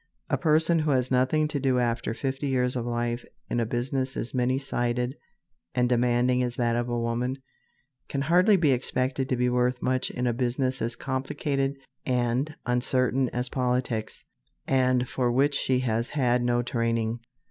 A person who has nothing to do after fifty years of life in a business as many sided and demanding as that of a woman, can hardly be expected to be worth much in a business as complicated and uncertain as politics, and for which she has had no training.